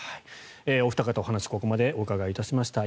お二方にお話をここまで伺いました。